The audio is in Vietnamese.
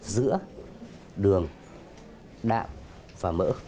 giữa đường đạm và mỡ